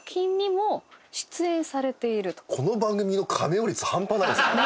この番組のカメオ率半端ないです。